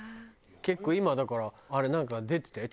結構今だからあれなんか出てたよ